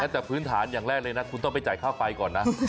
แต่พื้นฐานอย่างแรกเลยนะคุณต้องไปจ่ายค่าไฟก่อนนะ